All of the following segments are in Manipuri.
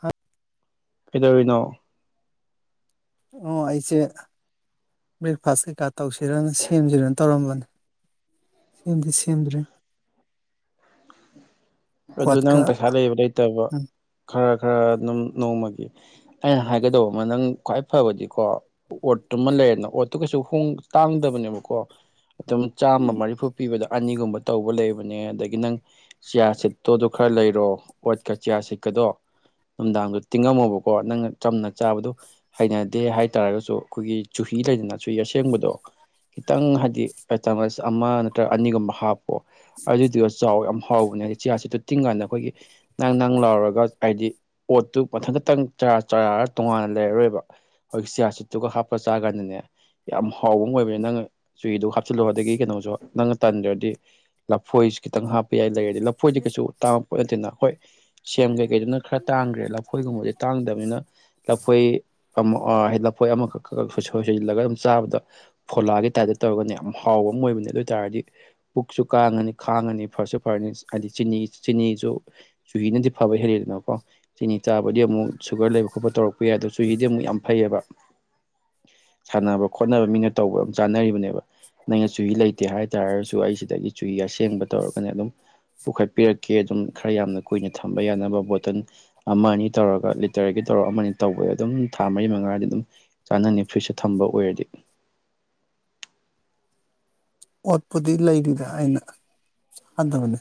ꯍ ꯀꯗꯧꯔꯤꯅꯣ ꯑꯣ ꯑꯩꯁꯦ ꯕ꯭ꯔꯦꯛꯐꯥꯁ ꯀꯩꯀꯥ ꯇꯧꯁꯤꯔꯣꯅ ꯁꯦꯝꯁꯤꯔꯣꯅ ꯇꯧꯔꯝꯕꯅꯦ ꯁꯦꯝꯗꯤ ꯁꯦꯝꯗ꯭ꯔꯦ ꯑꯗꯨ ꯅꯪ ꯄꯩꯁꯥ ꯂꯩꯕ ꯂꯩꯇꯕ ꯎꯝ ꯈꯔ ꯈꯔ ꯑꯗꯨꯝ ꯅꯣꯡꯃꯒꯤ ꯑꯩꯅ ꯍꯥꯏꯒꯗꯧꯕ ꯑꯃ ꯅꯪ ꯈ꯭ꯋꯥꯏ ꯐꯕꯗꯤꯀꯣ ꯑꯣꯠꯇꯨꯃ ꯂꯩꯔꯦꯅ ꯑꯣꯠꯇꯨ ꯀꯩꯁꯨꯣꯡ ꯇꯥꯡꯗꯕꯅꯦꯕꯀꯣ ꯑꯗꯨꯝ ꯆꯥꯝꯃ ꯃꯔꯤꯐꯨ ꯄꯤꯕꯗ ꯑꯅꯤꯒꯨꯝꯕ ꯇꯧꯕ ꯂꯩꯕꯅꯦ ꯑꯗꯒꯤ ꯅꯪ ꯆꯤꯌꯥꯁꯤꯠ ꯇꯣꯠꯇꯣ ꯈꯔ ꯂꯩꯔꯣ ꯑꯣꯠꯀ ꯆꯤꯌꯥ ꯁꯤꯠꯀꯗꯣ ꯅꯨꯡꯗꯥꯡꯗꯣ ꯇꯤꯡꯉꯝꯃꯣꯕꯀꯣ ꯅꯪꯅ ꯆꯝꯅ ꯆꯥꯕꯗꯣ ꯍꯩꯅꯗꯦ ꯍꯥꯏꯇꯥꯥꯔꯒꯁꯨ ꯑꯩꯈꯣꯏꯒꯤ ꯆꯨꯍꯤ ꯂꯩꯗꯅ ꯆꯨꯍꯤ ꯑꯁꯦꯡꯕꯗꯣ ꯈꯤꯇꯪ ꯍꯥꯏꯗꯤ ꯑꯇꯁ ꯑꯃ ꯅꯠꯇ꯭ꯔꯒ ꯑꯅꯤꯒꯨꯝꯕ ꯍꯥꯞꯄꯣ ꯑꯗꯨꯏꯗꯨꯒ ꯆꯥꯎ ꯌꯥꯝ ꯍꯥꯎꯕꯅꯦ ꯆꯤꯌꯥꯔ ꯁꯤꯠꯇꯨ ꯇꯤꯡ ꯀꯥꯟꯗ ꯑꯩꯈꯣꯏꯒꯤ ꯅꯪ ꯅꯪ ꯂꯥꯎꯔꯒ ꯍꯥꯏꯗꯤ ꯄꯣꯠꯇꯨ ꯃꯊꯪ ꯈꯇꯪ ꯆꯔꯥꯔ ꯇꯣꯉꯥꯟꯅ ꯂꯩꯔꯔꯣꯏꯕ ꯍꯧꯖꯤꯛ ꯆꯤꯌꯥꯔ ꯁꯤꯠꯇꯨꯒ ꯍꯥꯞꯄ ꯆꯥ ꯀꯥꯟꯗꯅꯦ ꯌꯥꯝ ꯍꯥꯎꯕ ꯑꯃ ꯑꯣꯏꯕꯅꯦ ꯅꯪꯅ ꯆꯨꯏꯗꯨꯒ ꯍꯥꯞꯆꯤꯜꯂꯣ ꯑꯗꯒꯤ ꯀꯩꯅꯣꯁꯨ ꯅꯪꯅ ꯇꯟꯗ꯭ꯔꯗꯤ ꯂꯐꯣꯏꯁꯨ ꯈꯤꯇꯪ ꯍꯥꯞꯄ ꯌꯥꯏ ꯂꯩꯔꯗꯤ ꯑꯩꯈꯣꯏꯗ ꯀꯩꯁꯨ ꯇꯥꯝ ꯍꯣꯠ ꯅꯠꯇꯅ ꯑꯩꯈꯣꯏ ꯁꯦꯝꯒꯩ ꯀꯩꯗꯅ ꯈꯔ ꯇꯥꯡꯈ꯭ꯔꯦ ꯂꯐꯣꯏꯒꯨꯝꯕꯁꯦ ꯇꯥꯡꯗꯕꯅꯤꯅ ꯂꯐꯣꯏ ꯑꯃ ꯂꯐꯣꯏ ꯑꯃꯈꯛ ꯈꯣꯏ ꯁꯣꯏ ꯁꯜꯂꯒ ꯑꯗꯨꯝ ꯆꯥꯕꯗ ꯐꯣꯂꯥꯒꯤ ꯇꯥꯏꯞꯇ ꯇꯧꯔꯒꯅꯦ ꯌꯥꯝ ꯍꯥꯎꯕ ꯑꯃ ꯑꯣꯏꯕꯅꯦ ꯑꯗꯨ ꯑꯣꯏꯇꯥꯥꯔꯗꯤ ꯄꯨꯛꯁꯨ ꯀꯥꯡꯥꯡꯉꯅꯤ ꯈꯥꯡꯉꯅꯤ ꯐꯥꯔꯁ ꯑꯣꯐ ꯐꯥꯔꯅꯤ ꯍꯥꯏꯗꯤ ꯆꯤꯅꯤ ꯆꯤꯅꯤꯁꯨ ꯆꯨꯍꯤꯅꯗꯤ ꯐꯕ ꯍꯦꯜꯂꯤꯗꯅꯀꯣ ꯆꯤꯅꯤ ꯆꯥꯕꯨꯗꯤ ꯑꯃꯨꯛ ꯁꯨꯒꯔ ꯂꯩꯕ ꯈꯣꯠꯄ ꯇꯧꯔꯛꯄ ꯌꯥꯏ ꯑꯗꯣ ꯆꯨꯍꯤꯗꯤ ꯑꯃꯨꯛ ꯌꯥꯝ ꯐꯩꯌꯦꯕ ꯁꯥꯟꯅꯕ ꯈꯣꯠꯅꯕ ꯃꯤꯅ ꯇꯧꯕ ꯑꯗꯨꯝ ꯆꯥꯅꯔꯤꯕꯅꯦꯕ ꯅꯪꯩꯅ ꯆꯨꯍꯤ ꯂꯩꯇꯦ ꯍꯥꯏ ꯇꯥꯔꯒꯁꯨ ꯑꯩ ꯁꯤꯗꯒꯤ ꯆꯨꯍꯤ ꯑꯁꯦꯡꯕ ꯇꯧꯔꯒꯅꯦ ꯑꯗꯨꯝ ꯄꯨꯈꯠꯄꯤꯔꯛꯀꯦ ꯑꯗꯨꯝ ꯈꯔ ꯌꯥꯝꯅ ꯀꯨꯏꯅ ꯊꯝꯕ ꯌꯥꯅꯕ ꯕꯣꯇꯜ ꯑꯃ ꯑꯅꯤ ꯇꯧꯔꯒ ꯂꯤꯇꯔꯒꯤ ꯇꯧꯔ ꯑꯃ ꯑꯅꯤ ꯇꯧꯕ ꯑꯗꯨꯝ ꯊꯥ ꯃꯔꯤ ꯃꯉꯥꯗꯤ ꯑꯗꯨꯝ ꯆꯥꯅꯅꯤ ꯐ꯭ꯔꯤꯖꯇ ꯊꯝꯕ ꯑꯣꯏꯔꯗꯤ ꯑꯣꯠꯄꯨꯗꯤ ꯂꯩꯔꯤꯗ ꯑꯩꯅꯗꯕꯅꯦ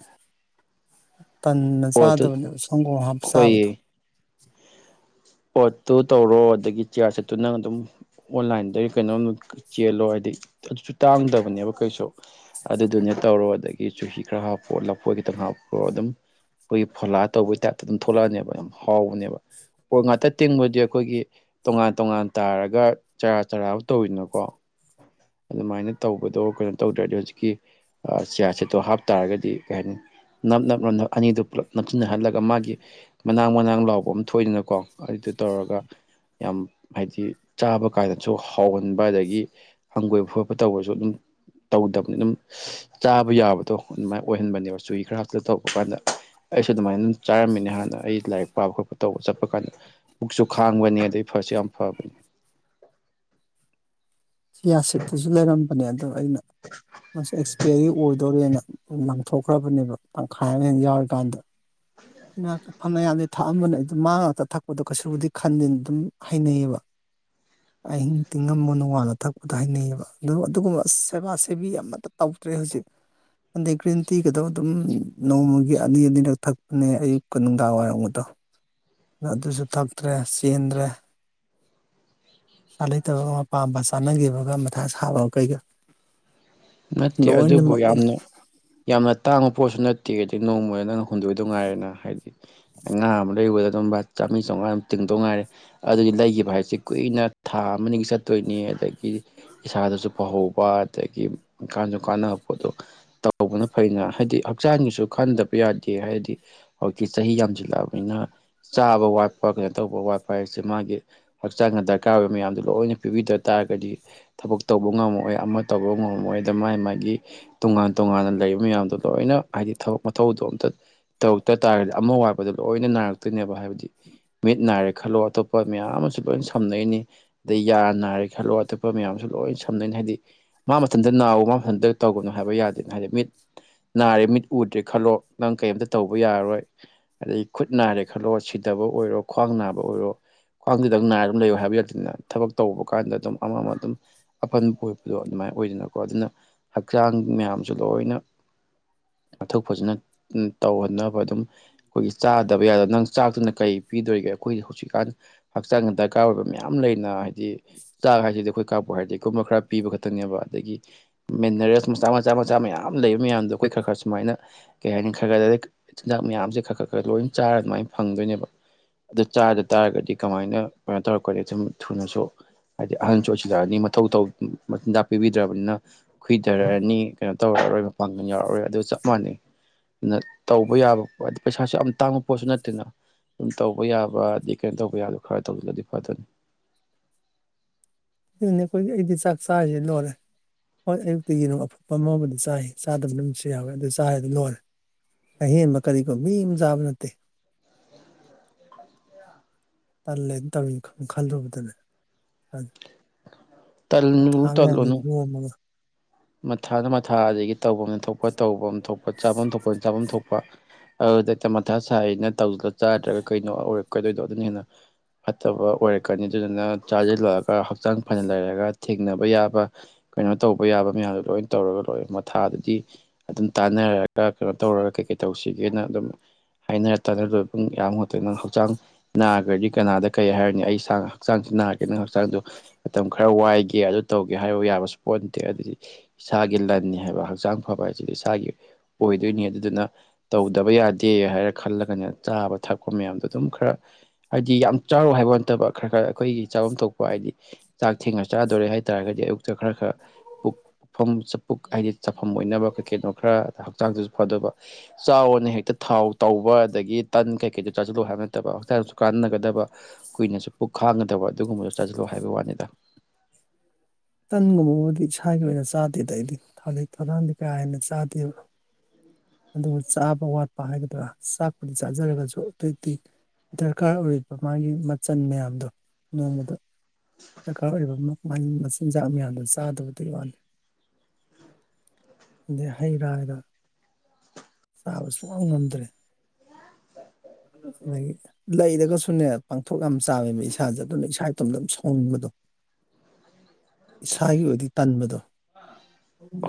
ꯇꯟꯅ ꯍꯣꯏ ꯑꯗꯨ ꯆꯥꯗꯕꯅꯦꯕ ꯁꯪꯒꯣꯝ ꯍꯥꯞ ꯆꯥꯕꯗꯣ ꯍꯣꯏꯌꯦ ꯄꯣꯠꯇꯨ ꯇꯧꯔꯣ ꯑꯗꯒꯤ ꯆꯤꯌꯥꯔ ꯆꯠꯇꯨ ꯅꯪ ꯑꯗꯨꯝ ꯑꯣꯟꯂꯥꯏꯟꯗꯒꯤ ꯀꯩꯅꯣꯝ ꯆꯦꯜꯂꯣ ꯍꯥꯏꯗꯤ ꯑꯗꯨꯁꯨ ꯇꯥꯡꯗꯕꯅꯦꯕ ꯀꯩꯁꯨ ꯑꯗꯨꯗꯨꯅꯦ ꯇꯧꯔꯣ ꯑꯗꯒꯤ ꯆꯨꯍꯤ ꯈꯔ ꯍꯥꯞꯄꯣ ꯂꯐꯣꯏ ꯈꯤꯇꯪ ꯍꯥꯞꯄ꯭ꯔꯣ ꯑꯗꯨꯝ ꯑꯩꯈꯣꯏꯒꯤ ꯐꯣꯂꯥ ꯇꯧꯕꯒꯤ ꯇꯥꯏꯞꯇ ꯑꯗꯨꯝ ꯊꯣꯛꯂꯛꯑꯅꯦꯕ ꯌꯥꯝ ꯍꯥꯎꯕꯅꯦꯕ ꯄꯣꯠ ꯉꯥꯛꯇ ꯇꯤꯡꯕꯗꯤ ꯑꯩꯈꯣꯏꯒꯤ ꯇꯣꯉꯥꯟ ꯇꯣꯉꯥꯟ ꯇꯥꯔꯒ ꯆꯔꯥ ꯆꯔꯥ ꯇꯧꯋꯤꯅꯀꯣ ꯑꯗꯨꯃꯥꯏꯅ ꯇꯧꯕꯗꯣ ꯀꯩꯅꯣ ꯇꯧꯗ꯭ꯔꯗꯤ ꯍꯧꯖꯤꯛꯀꯤ ꯆꯤꯌꯥꯔ ꯁꯦꯠꯇꯣ ꯍꯥꯞꯇꯥꯥꯔꯒꯗꯤ ꯀꯩ ꯍꯥꯏꯅꯤ ꯅꯞ ꯅꯞ ꯅꯞ ꯅꯞ ꯑꯅꯤꯗꯨꯣ ꯄꯨꯂꯞ ꯅꯞꯁꯤꯟꯅꯍꯜꯂꯒ ꯃꯥꯒꯤ ꯃꯅꯥꯛ ꯃꯅꯥ ꯂꯥꯎꯕ ꯑꯃ ꯊꯣꯛꯏꯗꯅ ꯀꯣ ꯑꯗꯨꯗꯨ ꯇꯧꯔꯒ ꯌꯥꯝ ꯍꯥꯏꯗꯤ ꯆꯥꯕ ꯀꯥꯏꯗꯁꯨ ꯍꯥꯎꯍꯟꯕ ꯑꯗꯒꯤ ꯍꯪꯒꯣꯏꯕ ꯈꯣꯠꯄ ꯇꯧꯕꯁꯨ ꯑꯗꯨꯝ ꯇꯧꯗꯕꯅꯤ ꯑꯗꯨꯝ ꯆꯥꯕ ꯌꯥꯕꯗꯣ ꯑꯗꯨꯃꯥꯏꯅ ꯑꯣꯏꯍꯟꯕꯅꯦꯕ ꯆꯨꯏ ꯈꯔꯁꯤꯗ ꯇꯧꯕ ꯀꯥꯟꯗ ꯑꯩꯁꯨ ꯑꯗꯨꯃꯥꯏꯅ ꯑꯗꯨꯝ ꯆꯥꯔꯝꯃꯤꯅꯦ ꯍꯥꯟꯅ ꯑꯩ ꯂꯥꯏꯔꯤꯛ ꯄꯥꯕ ꯈꯣꯠꯄ ꯇꯧꯕ ꯆꯠꯄ ꯄ ꯀꯥꯟꯗ ꯄꯨꯛꯁꯨ ꯈꯥꯡꯕꯅꯤ ꯑꯗꯨꯗꯩ ꯐꯁꯨ ꯌꯥꯝ ꯐꯕꯅꯤ ꯁꯤ ꯌꯥ ꯁꯤꯠꯇꯁꯨ ꯂꯩꯔꯝꯕꯅꯦ ꯑꯗꯣ ꯑꯩꯅ ꯃꯁꯤ ꯑꯦꯛꯁꯄꯤꯌꯥꯔꯤ ꯑꯣꯏꯗꯧꯣꯔꯦꯅ ꯂꯥꯡꯊꯣꯛꯈ꯭ꯔꯕꯅꯦꯕ ꯇꯪꯈꯥꯏ ꯑꯃ ꯍ ꯌꯥꯎꯔꯤꯀꯥꯟꯗ ꯐꯅꯌꯥꯝꯗꯤ ꯊꯥꯛꯑꯝꯕꯅꯦ ꯑꯗꯨꯗ ꯃꯥ ꯉꯥꯛꯇ ꯊꯛꯄꯗꯣ ꯀꯩꯁꯨꯕꯨꯗꯤ ꯈꯟꯗꯦꯅ ꯑꯗꯨꯝ ꯍꯩꯅꯩꯌꯦꯕ ꯑꯍꯤꯡ ꯇꯤꯡꯉꯝꯕ ꯅꯣꯡꯉꯥꯜꯂ ꯊꯛꯄꯗꯣ ꯍꯩꯅꯩꯌꯦꯕ ꯑꯗꯨ ꯑꯗꯨꯒꯨꯝꯕ ꯁꯦꯕꯥ ꯁꯦꯕꯤ ꯑꯃꯇ ꯇꯧꯗ꯭ꯔꯦ ꯍꯧꯖꯤꯛ ꯑꯗꯩ ꯒ꯭ꯔꯤꯟ ꯇꯤꯒꯗꯧ ꯑꯗꯨꯝ ꯅꯣꯡꯃꯒꯤ ꯑꯅꯤ ꯑꯅꯤꯔꯛ ꯊꯛꯄꯅꯦ ꯑꯌꯨꯛꯀ ꯅꯨꯡꯗꯥꯡ ꯋꯥꯏꯔꯝꯒꯗꯣ ꯑ ꯑꯗꯨꯁꯨ ꯊꯛꯇ꯭ꯔꯦ ꯆꯦꯟꯗ꯭ꯔꯦ ꯆꯥ ꯂꯩꯇꯕꯒ ꯑꯄꯥꯝꯕ ꯇꯥꯟꯅꯈꯤꯕꯒ ꯃꯊꯥ ꯁꯥꯕꯒ ꯀꯩꯒ ꯅꯠꯇꯦ ꯑꯗꯨꯕꯨ ꯂꯣꯏꯅꯃꯛꯅꯦ ꯌꯥꯝꯅ ꯌꯥꯝꯅ ꯇꯥꯡꯕ ꯄꯣꯠꯁꯨ ꯅꯠꯇꯦꯒꯗꯤ ꯅꯣꯡꯃꯗ ꯅꯪ ꯍꯨꯟꯗꯣꯏꯗ ꯉꯥꯏꯔꯦꯅ ꯍꯥꯏꯗꯤ ꯉꯥ ꯑꯃ ꯂꯩꯕꯗ ꯑꯗꯨꯝꯕ ꯆꯥꯝꯃꯔꯤ ꯆꯥꯝꯃꯉꯥ ꯇꯤꯡꯗꯧ ꯉꯥꯏꯔꯦ ꯑꯗꯨꯗꯤ ꯂꯩꯈꯤꯕ ꯍꯥꯏꯁꯤ ꯀꯨꯏꯅ ꯊꯥ ꯑꯃꯅꯤ ꯆꯠꯇꯣꯏꯅꯤ ꯑꯗꯒꯤ ꯏꯁꯥꯗꯁꯨ ꯐꯧꯍꯧꯕ ꯑꯗꯒꯤ ꯏꯪꯀꯥꯟꯁꯨ ꯀꯥꯟꯅꯕ ꯄꯣꯠꯇꯣ ꯇꯧꯕꯅ ꯐꯩꯅ ꯍꯥꯏꯗꯤ ꯍꯛꯆꯥꯡꯒꯤꯁꯨ ꯈꯟꯗꯕ ꯌꯥꯗꯦ ꯍꯥꯏꯗꯤ ꯍꯧꯖꯤꯛꯀꯤ ꯆꯍꯤ ꯌꯥꯝꯁꯤꯜꯂꯛꯑꯕꯅꯤꯅ ꯆꯥꯕ ꯋꯥꯠꯄ ꯀꯩꯅꯣ ꯇꯧꯕ ꯋꯥꯠꯄ ꯍꯥꯏꯁꯦ ꯃꯥꯒꯤ ꯍꯛꯆꯥꯡꯗ ꯗꯔꯀꯥꯔ ꯑꯣꯏꯕ ꯃꯌꯥꯝꯗꯣ ꯂꯣꯏꯅ ꯄꯤꯕꯤꯗ ꯇꯥꯔꯒꯗꯤ ꯊꯕꯛ ꯇꯧꯕ ꯉꯝꯃꯣꯏ ꯑꯃ ꯇꯧꯕ ꯉꯝꯃꯣꯏ ꯃꯒꯤ ꯃꯥꯒꯤ ꯇꯣꯉꯥꯟ ꯇꯣꯉꯥꯟꯅ ꯂꯩꯔꯤꯕ ꯃꯌꯥꯝꯗꯣ ꯂꯣꯏꯅ ꯍꯥꯏꯗꯤ ꯊꯕꯛ ꯃꯊꯧꯗꯣ ꯑꯝꯇ ꯇꯧꯔꯛꯇ ꯇꯥꯔꯒꯗꯤ ꯑꯃ ꯋꯥꯠꯕꯗꯣ ꯂꯣꯏꯅ ꯅꯥꯔꯛꯇꯣꯏꯅꯦꯕ ꯍꯥꯏꯕꯗꯤ ꯃꯤꯠ ꯅꯥꯏꯔꯦ ꯈꯜꯂꯣ ꯑꯇꯣꯞꯄ ꯃꯌꯥꯝ ꯑꯃꯁꯨ ꯂꯣꯏꯅ ꯁꯝꯅꯩꯅꯤ ꯑꯗꯩ ꯌꯥꯔ ꯅꯥꯔꯦ ꯈꯜꯂꯣ ꯑꯇꯣꯞꯄ ꯃꯌꯥꯝ ꯑꯃꯁꯁꯨ ꯂꯣꯏꯅ ꯁꯝꯅꯩꯅꯤ ꯍꯥꯏꯕꯗꯤ ꯃꯥ ꯃꯇꯝꯗ ꯑꯗ ꯅꯥꯎꯕ ꯃ ꯃꯇꯝꯟꯗ ꯇꯧꯕꯅꯣ ꯍꯥꯏꯕ ꯌꯥꯗꯦꯅ ꯍꯥꯏꯗꯤ ꯃꯤꯠ ꯅꯥꯔꯦ ꯃꯤꯠ ꯎꯗ꯭ꯔꯦ ꯈꯜꯂꯣ ꯅꯪ ꯀꯩꯝꯇ ꯇꯧꯕ ꯌꯥꯔꯔꯣꯏ ꯑꯗꯩ ꯈꯨꯠ ꯅꯥꯔꯦ ꯈꯜꯂꯣ ꯁꯤꯗꯕ ꯑꯣꯏꯔꯣ ꯈ꯭ꯋꯥꯡ ꯅꯥꯕ ꯑꯣꯏꯔꯣ ꯈ꯭ꯋꯥꯡꯗꯨꯗꯪ ꯅꯥꯔ ꯑꯗꯨꯝ ꯂꯩꯌꯣ ꯍꯥꯏꯕ ꯌꯥꯗꯦꯅ ꯊꯕꯛ ꯇꯧꯕ ꯀꯥꯟꯗ ꯑꯗꯨꯝ ꯑꯃ ꯑꯃ ꯑꯗꯨꯝ ꯑꯄꯟꯕ ꯑꯣꯏꯕꯗꯣ ꯑꯗꯨꯃꯥꯏꯅ ꯑꯣꯏꯗꯅ ꯀꯣ ꯑꯗꯨꯅ ꯍꯛꯆꯥꯡ ꯃꯌꯥꯝꯁꯨ ꯂꯣꯏꯅ ꯃꯊꯧꯛ ꯐꯖꯅ ꯇꯧꯍꯟꯅꯕ ꯑꯗꯨꯝ ꯑꯩꯈꯣꯏꯒꯤ ꯆꯥꯗꯕ ꯌꯥꯗꯕ ꯅꯪ ꯆꯥꯛꯇꯨꯅ ꯀꯩ ꯄꯤꯗꯣꯔꯤꯒꯦ ꯑꯩꯈꯣꯏ ꯍꯧꯖꯤꯛꯀꯥꯟ ꯍꯛꯆꯥꯡꯗ ꯗꯔꯀꯥꯔ ꯑꯣꯏꯕ ꯃꯌꯥꯝ ꯂꯩꯅ ꯗꯤ ꯆꯥꯛ ꯍꯥꯏꯁꯤꯗꯤ ꯑꯩꯈꯣꯏ ꯀꯥꯞꯄꯨ ꯍꯥꯏꯔꯗꯤꯒꯨꯝꯕ ꯈꯔ ꯄꯤꯕ ꯈꯛꯇꯪꯅꯦꯕ ꯑꯗꯒꯤ ꯃꯤꯅꯔꯦꯜꯁ ꯃꯆꯥ ꯃꯆꯥ ꯃꯆꯥ ꯃꯌꯥꯝ ꯂꯩꯕ ꯃꯌꯥꯝꯗꯣ ꯑꯩꯈꯣꯏ ꯈꯔ ꯈꯔ ꯁꯨꯃꯥꯏꯅ ꯀꯩ ꯍꯥꯏꯅꯤ ꯈꯔ ꯈꯔ ꯆꯤꯟꯖꯥꯛ ꯃꯌꯥꯝꯁꯦ ꯈꯔ ꯈꯔ ꯈꯔ ꯂꯣꯏ ꯆꯥꯔ ꯑꯗꯨꯃꯥꯏꯅ ꯐꯪꯗꯣꯏꯅꯦꯕ ꯑꯗꯨ ꯆꯥꯗ ꯇꯥꯔꯒꯗꯤ ꯀꯃꯥꯏꯅ ꯀꯩꯅꯣ ꯇꯧꯔꯛꯀꯅꯤꯨꯝ ꯊꯨꯅꯁꯨ ꯍꯥꯏꯗꯤ ꯑꯍꯟꯁꯨ ꯑꯣꯏꯁꯤꯜꯂꯛꯑꯅꯤ ꯃꯊꯧ ꯆꯤꯟꯖꯥꯛ ꯄꯤꯕꯤꯗ꯭ꯔꯕꯅꯤꯅ ꯈꯨꯏꯊꯔꯛꯑꯅꯤ ꯀꯩꯅꯣ ꯇꯧꯔꯛꯑꯔꯣꯏ ꯃꯄꯥꯟꯒ ꯌꯥꯎꯔꯛꯑꯔꯣꯏ ꯑꯗꯨ ꯆꯞ ꯃꯥꯟꯅꯩ ꯑꯗꯨꯅ ꯇꯧꯕ ꯌꯥꯕ ꯄ ꯍꯥꯏꯗꯤ ꯄꯩꯁꯥꯁꯨ ꯌꯥꯝ ꯇꯥꯡꯕ ꯄꯣꯠꯁꯨ ꯅꯠꯇꯦꯅ ꯑꯗꯨꯝ ꯇꯧꯕ ꯌꯥꯕ ꯑꯩ ꯀꯩꯅꯣ ꯇꯧꯕ ꯌꯥꯕ ꯈꯔ ꯇꯧꯗꯨꯅꯗꯤ ꯐꯗꯅꯤ ꯑꯗꯨꯅꯦ ꯑꯩꯈꯣꯏꯒꯤ ꯑꯩꯗꯤ ꯆꯥꯛ ꯆꯥꯔꯤꯁꯤꯦ ꯂꯣꯏꯔꯦ ꯍꯣꯏ ꯑꯌꯨꯛꯇ ꯌꯦꯅꯨ ꯑꯐꯨꯄ ꯑꯃꯥꯎꯕꯨꯗꯤ ꯆꯥꯏ ꯆꯥꯗꯕ ꯑꯗꯨꯝꯁꯨ ꯌꯥꯎꯋꯦ ꯑꯗꯨ ꯆꯥꯏꯗ ꯂꯣꯏꯔꯦ ꯑꯍꯦꯟꯕ ꯀꯔꯤꯒꯣ ꯃꯤ ꯑꯃ ꯆꯥꯕ ꯅꯠꯇꯦ ꯇꯜꯂꯦ ꯇꯧ ꯈꯜꯂꯨꯕꯗꯨꯅꯦ ꯑ ꯊꯥꯉ ꯑꯃ ꯃꯊꯥꯗ ꯃꯊꯥ ꯑꯗꯒꯤ ꯇꯧꯐꯝ ꯊꯣꯛꯄ ꯇꯧꯐꯝ ꯊꯣꯛꯄ ꯆꯥꯐꯝ ꯊꯣꯛꯄ ꯆꯥꯐꯝ ꯊꯣꯛꯄ ꯑꯧ ꯗꯇ ꯃꯊꯥ ꯁꯥꯏꯩꯅ ꯇꯧꯖꯦ ꯆꯥꯗ꯭ꯔꯒ ꯀꯩꯅꯣꯔ ꯀꯩꯗꯣꯏꯗꯣ ꯑꯗꯨꯅ ꯍꯦꯟꯅ ꯐꯠꯇꯕ ꯑꯣꯏꯔꯛꯀꯅꯤ ꯑꯗꯨꯗꯨꯅ ꯆꯥꯁꯤꯜꯂ ꯈ ꯍꯛꯆꯥꯡ ꯐꯅ ꯂꯩꯔꯒ ꯊꯦꯡꯅꯕ ꯌꯥꯕ ꯀꯩꯅꯣ ꯇꯧꯕ ꯌꯥꯕ ꯃꯌꯥꯝꯗꯣ ꯂꯣꯏ ꯇꯧꯔꯒ ꯂꯣꯏ ꯃꯊꯥꯗꯗꯤ ꯑꯗꯨꯝ ꯇꯥꯟꯅꯔꯒ ꯀꯩꯅꯣ ꯇꯧꯔꯒ ꯀꯩꯀꯩ ꯇꯧꯁꯤꯒꯦꯅ ꯑꯗꯨꯝ ꯍꯥꯏꯅꯔ ꯇꯥꯟꯅꯔꯗ ꯑꯗꯨꯝ ꯌꯥꯝ ꯍꯨꯠꯇꯦ ꯅꯪ ꯍꯛꯆꯥꯡ ꯅꯥꯈ꯭ꯔꯗꯤ ꯀꯅꯥꯗ ꯀꯩ ꯍꯥꯏꯔꯅꯤ ꯑꯩ ꯏꯁꯥꯡ ꯍꯛꯆꯥꯡꯁꯤ ꯅꯥꯔꯒꯦ ꯅꯪ ꯍꯛꯆꯥꯡꯗ ꯃꯇꯝ ꯈꯔ ꯋꯥꯏꯒꯦ ꯑꯗꯨ ꯇꯧꯒꯦ ꯍꯥꯏꯕ ꯌꯥꯕꯁꯨ ꯄꯣꯠ ꯅꯠꯇꯦ ꯑꯗꯨꯗꯤ ꯏꯁꯥꯒꯤ ꯂꯟꯅꯤ ꯍꯥꯏꯕ ꯍꯛꯆꯥꯡ ꯐꯕ ꯍꯥꯏꯁꯤꯗꯤ ꯏꯁꯥꯒꯤ ꯑꯣꯏꯗꯣꯏꯅꯤ ꯑꯗꯨꯗꯨꯅ ꯇꯧꯗꯕ ꯌꯥꯗꯦ ꯍꯥꯏꯔ ꯈꯜꯂꯒꯅꯦ ꯆꯥꯕ ꯊꯛꯄ ꯃꯌꯥꯝꯗꯣ ꯑꯗꯨꯝ ꯈꯔ ꯍꯥꯏꯕꯗꯤ ꯌꯥꯝ ꯆꯥꯔꯣ ꯍꯥꯏꯕ ꯅꯠꯇꯕ ꯈꯔ ꯈꯔ ꯑꯩꯈꯣꯏꯒꯤ ꯆꯥꯐꯝ ꯊꯣꯛꯄ ꯍꯥꯏꯗꯤ ꯆꯥꯛ ꯊꯦꯡꯅ ꯆꯥꯗꯣꯔꯦ ꯍꯥꯏ ꯇꯥꯔꯒꯗꯤ ꯑꯌꯨꯛꯇ ꯈꯔ ꯈꯔ ꯄꯨꯛ ꯄꯨꯐꯝ ꯆ ꯄꯨꯛ ꯍꯥꯏꯗꯤ ꯆꯥꯐꯝ ꯑꯣꯏꯅꯕ ꯀꯩ ꯀꯩꯅꯣ ꯈꯔ ꯍꯛꯆꯥꯡꯗꯁꯨ ꯐꯗꯕ ꯆꯥꯎꯋꯅ ꯍꯦꯛꯇ ꯊꯥꯎ ꯇꯧꯕ ꯑꯗꯒꯤ ꯇꯟ ꯀꯩꯀꯩꯗ ꯆꯥꯁꯤꯜꯂꯎ ꯍꯥꯏꯕ ꯅꯠꯇꯕ ꯍꯛꯆꯥꯡꯁꯨ ꯀꯥꯟꯅꯒꯗꯕ ꯀꯨꯏꯅꯁꯨ ꯄꯨꯛ ꯈꯥꯡꯒꯗꯕ ꯑꯗꯨꯒꯨꯝꯕꯁꯨ ꯆꯥꯁꯤꯜꯂꯎ ꯍꯥꯏꯕ ꯋꯥꯅꯤꯗ ꯇꯟꯒꯨꯝꯕꯕꯨꯗꯤ ꯏꯁꯥꯒꯤ ꯑꯣꯏꯅ ꯆꯥꯗꯦꯗ ꯑꯩꯗꯤ ꯊꯥꯗꯛ ꯊꯧꯂꯥꯡꯗꯤ ꯀꯥ ꯍꯦꯟꯅ ꯆꯥꯗꯦꯕ ꯑꯗꯨꯒ ꯆꯥꯕ ꯋꯥꯠꯄ ꯍꯥꯏꯒꯗ꯭ꯔꯥ ꯆꯥꯛꯄꯨꯗꯤ ꯆꯥꯖꯔꯒꯁꯨ ꯑꯗꯨꯛꯇꯤ ꯗꯔꯀꯥꯔ ꯑꯣꯏꯔꯤꯕ ꯃꯥꯒꯤ ꯃꯆꯜ ꯃꯌꯥꯝꯗꯣ ꯅꯣꯡꯃꯗ ꯗꯔꯀꯥꯔ ꯑꯣꯏꯕ ꯃꯆꯤꯟꯖꯥꯛ ꯃꯌꯥꯝꯗ ꯆꯥꯗꯕꯗꯤ ꯋꯥꯂꯦ ꯑꯗꯩ ꯍꯩ ꯔꯥꯗ ꯆꯥꯕ ꯁꯨꯡ ꯉꯝꯗ꯭ꯔꯦ ꯑꯗꯒꯤ ꯂꯩꯔꯒꯁꯨꯅꯦ ꯄꯥꯡꯊꯣꯛ ꯌꯥꯝ ꯆꯥꯃꯦꯕ ꯏꯁꯥꯁꯦ ꯑꯗꯨꯅ ꯏꯁꯥ ꯏꯇꯣꯝꯇ ꯑꯗꯨꯝ ꯁ ꯍꯣꯡꯕꯗꯣ ꯏꯁꯥꯒꯤ ꯑꯣꯏꯗꯤ ꯇꯟꯕꯗꯣ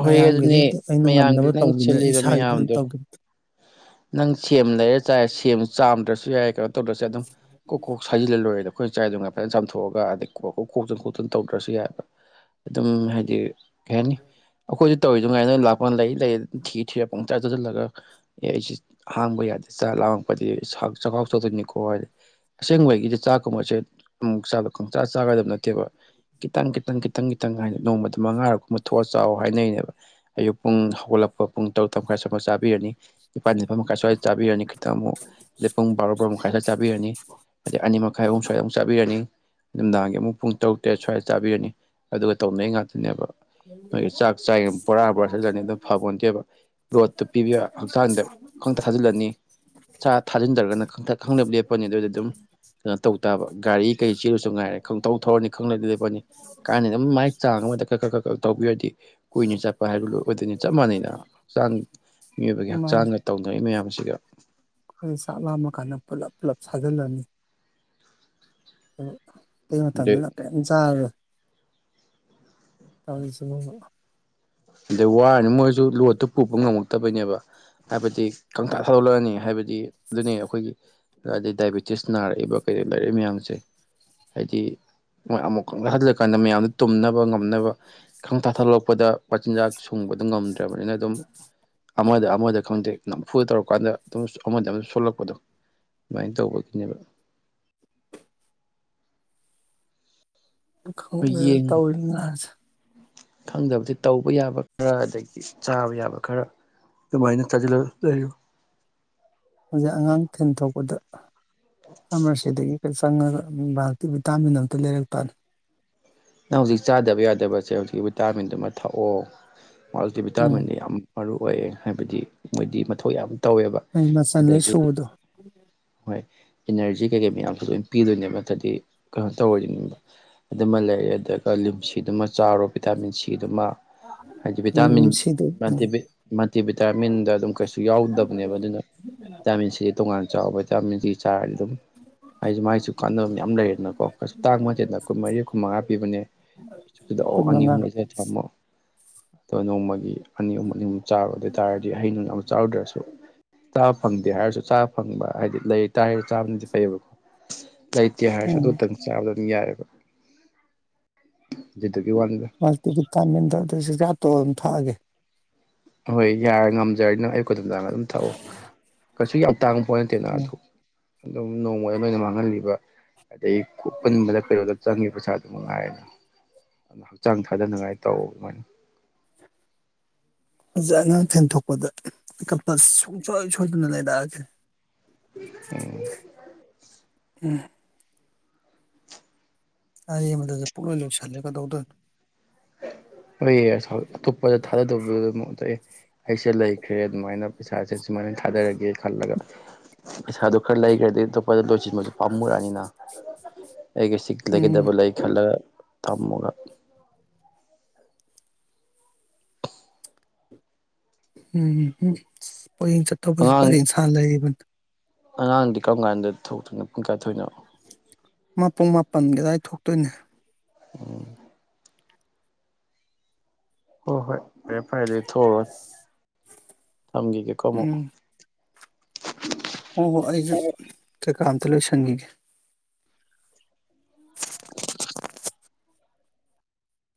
ꯍꯣꯏ ꯃꯌꯥꯝꯒꯤꯗꯤ ꯑꯗꯨꯅꯦ ꯑꯩꯅ ꯉꯝꯅꯕ ꯃꯌꯥꯝꯒꯤ ꯅꯪ ꯇꯧꯕꯈꯤꯅꯤ ꯑꯩ ꯁꯤꯜꯂꯤꯕ ꯏꯁꯥꯒꯤꯗ ꯑꯗꯨ ꯃꯌꯥꯝꯗꯣ ꯇꯧꯈꯤꯕ ꯅꯪ ꯁꯦꯝ ꯂꯩꯔꯦ ꯆꯥꯏꯔ ꯁꯦꯝ ꯆꯥꯝꯗ꯭ꯔꯁꯨ ꯁꯤ ꯌꯥ ꯍꯥꯏ ꯇꯧꯔꯁꯦ ꯑꯗꯨꯝ ꯀꯣꯛ ꯀꯣꯛ ꯁꯥꯖꯤꯜꯂꯂꯣꯏꯔꯦꯗꯣ ꯑꯩꯈꯣꯏ ꯆꯥꯏꯗꯨꯉꯥꯏ ꯐꯖꯅ ꯆꯥꯝꯊꯣꯛꯑꯒ ꯑꯗꯩ ꯀ ꯈꯣꯛꯆꯤꯟ ꯈꯣꯆꯤꯟ ꯇꯧꯗ꯭ꯔꯁꯨ ꯌꯥꯏꯕ ꯑꯗꯨꯝ ꯍꯥꯏꯗꯤ ꯀꯩ ꯍꯥꯏꯅꯤ ꯑꯩꯈꯣꯏꯁ ꯇꯧꯔꯤꯗꯨ ꯉꯥꯏꯅ ꯂꯥꯛꯄ ꯂꯩ ꯊ ꯊꯨꯡ ꯇ ꯇꯗ ꯂ ꯑꯦ ꯑꯩꯁꯦ ꯍꯥꯡꯕ ꯌꯥꯗꯦ ꯆꯥ ꯂꯥꯡꯉꯛꯄꯗꯤ ꯆꯥꯛꯈꯥꯎ ꯆꯧꯗꯣꯏꯅꯤꯀꯣ ꯍꯥꯏꯗꯤ ꯑꯁꯦꯡꯕꯒꯤꯗꯤ ꯆꯥꯛꯀꯨꯝꯕꯁꯦ ꯑꯃꯨꯛ ꯀꯪꯆꯆꯥ ꯆꯥꯒꯗꯕ ꯅꯠꯇꯦꯕ ꯈꯤꯇꯪ ꯈꯤꯇꯪ ꯈꯤꯇꯪ ꯈꯤꯇꯪ ꯍꯥꯏꯅ ꯅꯣꯡꯃꯗ ꯃꯉꯥꯔꯛ ꯀꯨꯝꯕ ꯊꯣꯛꯑ ꯆꯥꯎꯋ ꯍꯥꯏꯅꯩꯅꯦꯕ ꯑꯌꯨꯛ ꯄꯨꯡ ꯍꯧꯒꯠꯂꯛꯄ ꯄꯨꯡ ꯇꯔꯨꯛ ꯈꯔ ꯁ ꯆꯥꯕꯤꯔꯅꯤ ꯅꯤꯄꯥꯜ ꯅꯤꯄꯥ ꯃꯈꯥꯏ ꯁ꯭ꯋꯥꯏꯗ ꯆꯥꯕꯤꯔꯅꯤ ꯈꯤꯇꯪ ꯑꯃꯨꯛ ꯑꯗꯩ ꯄꯨꯡ ꯕꯥꯔꯣ ꯃꯈꯥꯏ ꯁ꯭ꯋꯥꯏ ꯆꯥꯕꯤꯔꯅꯤ ꯑꯗꯩ ꯑꯅꯤꯃꯛ ꯃꯈꯥꯏ ꯑꯍꯨꯝ ꯁ꯭ꯋꯥꯏꯗ ꯑꯃꯨꯛ ꯆꯥꯔꯅꯤ ꯅꯨ ꯃꯤꯗꯥꯡꯒꯤ ꯑꯃꯨꯛ ꯄꯨꯡ ꯇꯧꯗꯦ ꯁ꯭ꯋꯥꯏꯗ ꯇꯥꯕꯤꯔꯅꯤ ꯑꯗꯨꯒ ꯇꯧꯅꯩ ꯉꯥꯛꯇꯅꯦꯕ ꯃꯣꯏꯒꯤ ꯆꯥꯛ ꯆꯥꯏ ꯕꯣꯔꯥ ꯣꯔꯥꯁꯤꯜꯂꯅꯤ ꯑꯗꯨꯝ ꯐꯕꯣꯟꯠꯇꯦꯕ ꯔꯣꯠꯇꯨ ꯄꯤꯕꯤꯕ ꯟꯗ ꯈꯪꯇ ꯊꯥꯖꯤꯜꯂꯅꯤ ꯆꯥ ꯊꯥꯖꯤꯟꯗ꯭ꯔꯒꯅ ꯈꯪꯊ ꯈꯪꯗꯦꯞ ꯂꯦꯞꯄꯅꯤ ꯑꯗꯨꯏꯗ ꯑꯗꯨꯝ ꯀꯩꯅꯣ ꯇꯧ ꯇꯥꯕ ꯒꯥꯔꯤ ꯀꯩ ꯁꯤꯔꯁꯨ ꯉꯥꯏꯔꯦ ꯈꯪꯊꯧꯧ ꯊꯧꯔꯅꯤ ꯈꯪꯅꯗꯤ ꯂꯦꯞꯄꯅꯤ ꯀꯥꯏꯅ ꯑꯗꯨꯝ ꯃꯒꯤ ꯆꯥꯡ ꯑꯃꯗ ꯈ ꯈꯔ ꯈꯛ ꯈ ꯇꯧꯕꯤꯔꯗꯤ ꯀꯨꯏꯅ ꯆꯠꯄ ꯍꯥꯏꯕꯗꯨ ꯂꯣꯏ ꯑꯣꯏꯗꯣꯏꯅꯤ ꯆꯞ ꯃꯥꯟꯅꯩꯅ ꯍꯛꯆꯥꯡ ꯃꯤꯑꯣꯏꯕꯒꯤ ꯍꯛ ꯍꯛꯆꯥꯡꯒ ꯇꯧꯅꯔꯤ ꯃꯌꯥꯝꯁꯦ [unintelligible] ꯑꯩꯈꯣꯏ ꯆꯥꯛ ꯂꯥꯝꯃ ꯀꯥꯟꯗ ꯄꯨꯜꯂꯞ ꯄꯨꯜꯂꯞ ꯁꯥꯖꯤꯜꯂꯝꯃꯤ ꯑ ꯀꯩ ꯃꯇ ꯑꯗꯩ ꯃꯇꯝꯗꯖꯒ ꯇ ꯁ ꯑꯗꯩ ꯋꯥꯔꯅꯤ ꯃꯣꯏꯁꯨ ꯂꯣꯠꯇꯨ ꯄꯨꯕ ꯉꯝꯃꯛꯇꯕꯩꯅꯦꯕ ꯍꯥꯏꯕꯗꯤ ꯀꯪꯇꯥꯥ ꯊꯥꯗꯣꯛꯂꯛꯑꯅꯤ ꯍꯥꯏꯕꯗꯤ ꯑꯗꯨꯅꯦ ꯑꯩꯈꯣꯏꯒꯤꯩ ꯗꯥꯏꯕꯤꯦꯇꯤꯁ ꯅꯥꯔꯛꯏꯕ ꯀꯩꯗ ꯂꯩꯔꯛꯏꯕ ꯃꯌꯥꯝꯁꯦ ꯍꯥꯏꯗꯤ ꯃꯣꯏ ꯑꯃꯨꯛ ꯀꯪꯇꯥꯥ ꯊꯥꯖꯤꯜꯂꯀꯥꯟꯗ ꯃꯌꯥꯝꯗ ꯇꯨꯝꯅꯕ ꯉꯝꯅꯕ ꯀꯥꯡꯪꯇꯥꯥꯗꯠꯂꯛꯄꯗ ꯃꯆꯤꯟꯖꯥꯛ ꯁꯨꯡꯕꯗ ꯉꯝꯗ꯭ꯔꯕꯅꯤꯅ ꯑꯗꯨꯝ ꯑꯃꯗ ꯑꯃꯗ ꯈꯪꯗꯦ ꯅꯝꯐꯨꯗ ꯇꯧꯔꯀꯥꯟꯗ ꯑꯗꯨꯝ ꯑꯃꯗ ꯑꯃꯗ ꯁꯣꯜꯂꯛꯄꯗꯣ ꯑꯗꯨꯃꯥꯏꯅ ꯇꯧꯕꯒꯤꯅꯦꯕ ꯍꯣꯏ ꯈꯪꯦ ꯌꯦꯡ ꯇꯧꯅꯁꯦ ꯈꯪꯗꯕꯗꯤ ꯇꯧꯕ ꯌꯥꯕ ꯈꯔ ꯑꯗꯒꯤꯩꯗꯤ ꯆꯥꯕ ꯌꯥꯕ ꯈꯔ ꯑꯗꯨꯃꯥꯏꯅ ꯂꯩꯔ ꯍꯧꯖꯤꯛ ꯑꯉꯥꯡ ꯊꯦꯟ ꯊꯣꯛꯣꯛꯄꯗ ꯑꯃꯔ ꯁꯤꯗꯒꯤ ꯍ ꯆꯪꯉꯒ ꯚꯇꯤ ꯚꯤꯇꯥꯥꯃꯤꯟ ꯑꯝꯇ ꯂꯩꯔꯛꯄꯅꯤ ꯅꯪ ꯍꯧꯖꯤꯛ ꯆꯥꯗꯕ ꯌꯥꯗꯕꯁꯦ ꯍꯧꯖꯤꯛ ꯚꯤꯇꯥꯃꯤꯟꯗꯨꯃ ꯊꯛꯑꯣ ꯃꯥꯜꯗꯤ ꯎꯝ ꯚꯤꯇꯥꯃꯤꯟꯅꯤ ꯌꯥꯝ ꯃꯔꯨ ꯑꯣꯏꯌꯦ ꯍꯥꯏꯕꯗꯤ ꯃꯣꯏꯗꯤ ꯃꯊꯧ ꯌꯥꯝ ꯇꯧꯋꯦꯕ ꯍ ꯃꯆꯥꯥꯟꯂ ꯑꯗꯒꯤ ꯁꯕꯗꯣ ꯍꯣꯏ ꯏꯅꯔꯖꯤ ꯀꯩꯀꯩ ꯃꯌꯥꯝꯁꯨ ꯂꯣꯏꯅ ꯄꯤꯗꯣꯏꯅꯦꯕ ꯅꯠꯇ꯭ꯔꯗꯤ ꯀꯩꯅꯣ ꯇꯧꯔꯅꯤꯡꯕ ꯑꯗꯨꯃ ꯂꯩ ꯑꯗꯨꯒ ꯂꯤꯝꯁꯤꯗꯨꯃ ꯆꯥꯔꯣ ꯚꯤꯇꯥꯃꯤꯟ ꯁꯤꯗꯨꯃ ꯍꯥꯏꯗꯤ ꯕꯤꯇꯥꯤꯟ ꯅꯤꯝꯁꯤꯗ ꯇꯤ ꯎꯝ ꯚꯕꯤꯇꯥꯃꯤꯟꯗ ꯑꯗꯨꯝ ꯀꯩꯁꯨ ꯌꯥꯎꯗꯕꯅꯦꯕ ꯑꯗꯨꯅ ꯚꯇꯥꯃꯤꯟꯁꯤꯗꯤ ꯇꯣꯉꯥꯟ ꯆꯥꯎꯕ ꯆꯃꯤꯗꯤ ꯆꯥꯔ ꯑꯗꯨꯝ ꯑꯩꯁꯨ ꯃꯒꯤꯁꯨ ꯀꯥꯟꯅꯕ ꯌꯥꯝ ꯂꯩꯔꯗꯅꯀꯣ ꯀꯩꯁꯨ ꯇꯥꯡꯕꯗꯦꯗꯅ ꯀꯨꯟ ꯃꯔꯤ ꯀꯨꯟ ꯃꯉꯥ ꯄꯤꯕꯅꯦꯨꯗ ꯀꯨꯟ ꯑꯣ ꯑꯅꯤ ꯃꯉꯥ ꯑꯨꯝꯁꯗ ꯊꯝꯃꯣ ꯑ ꯅꯣꯡꯃꯒꯤ ꯑꯅꯤ ꯑꯍꯨꯝ ꯆꯥꯔꯨ ꯑꯗꯨ ꯑꯣꯏꯇꯥꯥꯔꯗꯤ ꯍꯍꯩꯩꯅꯅꯨꯡ ꯌꯥꯝ ꯆꯥꯔꯨꯗ꯭ꯔꯁꯨ ꯆꯥ ꯐꯪꯗꯦ ꯍꯥꯏꯔꯁꯨ ꯆꯥ ꯐꯪꯕ ꯍꯥꯏꯗꯤ ꯂꯩꯥꯏꯛ ꯇ ꯆꯥꯝꯃꯗꯤ ꯐꯩꯌꯦꯕꯀꯣ ꯂꯩꯇꯦ ꯍꯥꯏꯔꯁꯨ ꯎꯝ ꯑꯗꯨꯛꯇꯪ ꯆꯥꯕ ꯑꯗꯨꯝ ꯌꯥꯏꯑꯕ [unintelligible] ꯇꯤ ꯊꯥꯃꯤꯟꯗꯗ ꯁꯤ ꯀ ꯇꯣ ꯑꯗꯨꯝ ꯊꯛꯑꯒꯦ ꯍꯣꯏ ꯌꯥꯔ ꯉꯝꯖꯔꯅꯨ ꯑꯩ ꯈꯨꯗꯝ ꯆꯥꯡꯅ ꯑꯗꯨꯝ ꯊꯥꯛꯑꯣ ꯀꯁꯨ ꯌꯥꯎ ꯇꯥꯡ ꯄꯅ ꯇꯅ ꯎꯝ ꯑꯗꯨ ꯑꯗꯨꯝ ꯅꯣꯡꯃꯩꯈꯩꯅ ꯃꯥꯡꯍꯜꯂꯤꯕ ꯑꯗꯩ ꯀꯄꯟꯕꯗ ꯀꯩꯅꯣꯗ ꯆꯪꯉꯦ ꯄꯩꯁꯥꯗꯨ ꯃꯉꯥꯏꯔ ꯑꯗꯨ ꯍꯛꯆꯥꯡ ꯊꯥꯗꯅꯉꯥꯏ ꯇꯧꯕ ꯑꯗꯨꯃꯥꯏꯅ ꯐꯖꯛ ꯑꯉꯥꯡ ꯐꯦꯟꯊꯣꯛꯄꯗ ꯀꯝꯄꯜ ꯁꯨꯡꯁꯣꯏ ꯁꯣꯏꯗꯅ ꯂꯩꯔꯛꯑꯒꯦ [unintelligible] ꯎꯝ ꯑꯩ ꯑꯃꯗꯁ ꯄꯨꯛꯂꯣꯏ ꯂꯣꯏꯁꯜꯂꯦ ꯀꯩꯗꯧꯗꯣꯏꯅꯣ ꯍꯁ ꯑꯇꯣꯞꯄꯗ ꯊꯥꯗꯗꯧꯕꯗꯨ ꯑꯩꯁꯦ ꯂꯩꯈ꯭ꯔꯦ ꯑꯗꯨꯃꯥꯏꯅ ꯄꯩꯁꯥꯁꯦ ꯁꯨꯃꯥꯏꯅ ꯊꯥꯗꯔꯒꯦ ꯈꯜꯂꯒ ꯄꯩꯁꯥꯗꯣ ꯈꯔ ꯂꯩꯈ꯭ꯔꯗꯤ ꯑꯇꯣꯞꯄꯗ ꯂꯣꯏꯁꯤꯟꯕꯁꯨ ꯄꯥꯝꯃꯨꯔꯛꯑꯅꯤꯅ ꯑꯩꯒ ꯁꯤ ꯎꯝ ꯂꯩꯒꯗꯕ ꯂꯩ ꯈꯜꯂꯒ ꯇꯃꯒ ꯎꯝꯝ ꯄꯨꯌꯦꯡ ꯆꯠꯇꯧꯕꯁꯨ ꯑꯉꯥꯡ ꯄꯔꯦꯡꯁꯥꯡꯅ ꯂꯩꯅꯤ ꯑꯉꯥꯡꯗꯤ ꯀꯔꯝ ꯀꯥꯟꯗ ꯊꯣꯛꯇꯣꯏꯅꯣ ꯄꯨꯡ ꯀꯌꯥ ꯊꯣꯏꯅꯣ ꯃꯄꯨꯡ ꯃꯥꯄꯟ ꯀꯗꯥꯋꯥꯏ ꯊꯣꯛꯇꯣꯏꯅꯦ ꯎꯝ ꯍ ꯍꯣꯏ ꯐꯦ ꯐꯥꯏꯗꯦ ꯊꯣꯛ ꯇꯝꯒꯤꯤ ꯀꯦ ꯀꯃꯣ ꯍ ꯍꯣ ꯑꯩꯁꯨ ꯇ ꯀ ꯀꯥꯟꯇ ꯂꯣꯏ ꯁꯪꯉꯒꯤ